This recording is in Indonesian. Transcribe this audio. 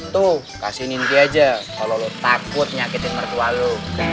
tuh kasihin indri aja kalo lo takut nyakitin mertua lo